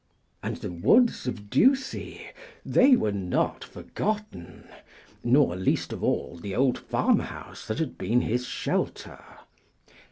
And the woods of Ducie, they were not forgotten; nor, least of all, the old farmhouse that had been his shelter.